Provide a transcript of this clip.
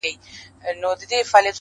دغه سپينه سپوږمۍ؛